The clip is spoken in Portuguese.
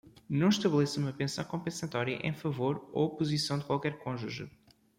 Não estabeleça uma pensão compensatória em favor ou posição de qualquer cônjuge.